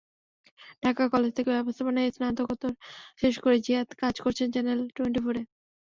Dhaka college থেকে ব্যবস্থাপনায় স্নাতকোত্তর শেষ করে জিহাদ কাজ করছেন চ্যানেল টোয়েন্টিফোরে।